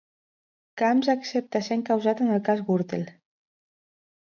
Camps accepta ser encausat en el cas Gürtel